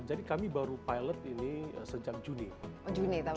jadi kami baru pilot ini sejak juni dua ribu dua puluh satu ini